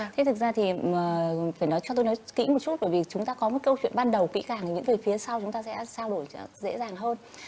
thế thực ra thì phải nói cho tôi nói kỹ một chút bởi vì chúng ta có một câu chuyện ban đầu kỹ càng những về phía sau chúng ta sẽ trao đổi dễ dàng hơn